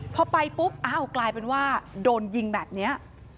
พอไปปุ๊บอ้าวกลายเป็นว่าโดนยิงแบบนี้